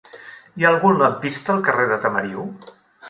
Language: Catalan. Hi ha algun lampista al carrer de Tamariu?